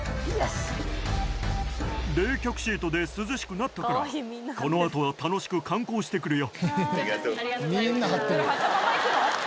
冷却シートで涼しくなったから、このあとは楽しく観光してくるよ。